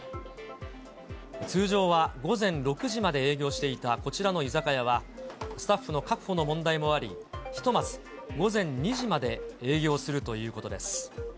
通常は午前６時まで営業していたこちらの居酒屋は、スタッフの確保の問題もあり、ひとまず午前２時まで営業するということです。